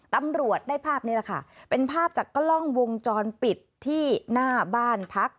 ตำรวจได้ภาพนี้แหละค่ะเป็นภาพจากกล้องวงจรปิดที่หน้าบ้านพัก